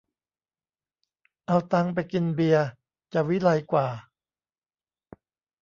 เอาตังค์ไปกินเบียร์จะวิไลกว่า